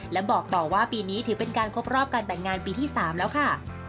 และบอกต่อว่าปีนี้ถือเป็นการครบรอบการแต่งงานปีที่๓แล้วค่ะ